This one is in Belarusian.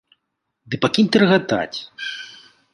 Ды пакінь ты рагатаць.